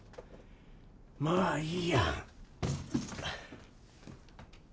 まあいいや。